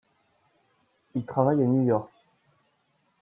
Il travaille à New York.